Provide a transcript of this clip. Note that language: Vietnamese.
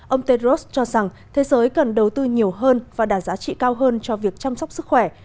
ông tedros cho rằng thế giới cần đầu tư nhiều hơn và đạt giá trị cao hơn cho việc chăm sóc sức khỏe